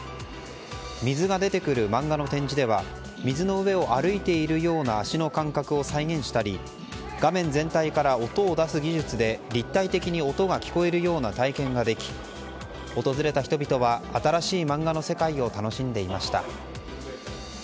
水が出てくる漫画の展示では水の上を歩いているような足の感覚を再現したり画面全体から音を出す技術で立体的に音が聞こえるような体験ができ、訪れた人々は新しい漫画の世界を楽しんでいました。